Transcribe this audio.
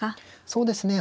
そうですね